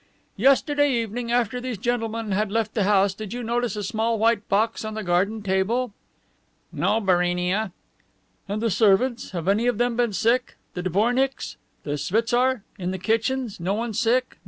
"Yesterday evening, after these gentlemen had left the house, did you notice a small white box on the garden table?" "No, Barinia." "And the servants? Have any of them been sick? The dvornicks? The schwitzar? In the kitchens? No one sick?